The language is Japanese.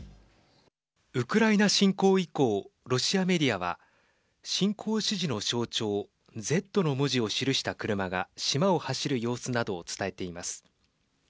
ウクライナ侵攻以降ロシアメディアは侵攻支持の象徴Ｚの文字を記した車が島を走る様子などを伝えています。